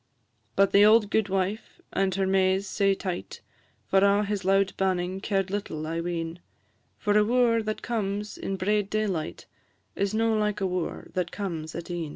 But the auld gudewife, and her Mays sae tight, For a' his loud banning cared little, I ween; For a wooer that comes in braid daylight Is no like a wooer that comes at e'en.